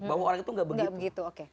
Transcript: bahwa orang itu nggak begitu